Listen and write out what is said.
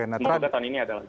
semoga tahun ini ada lagi